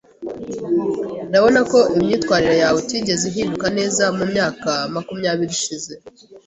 Ndabona ko imyitwarire yawe itigeze ihinduka neza mumyaka makumyabiri ishize.